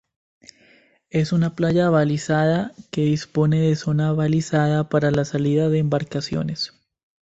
Es una playa balizada que dispone de zona balizada para la salida de embarcaciones.